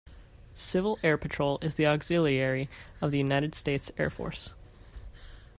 Civil Air Patrol is the Auxiliary of the United States Air Force.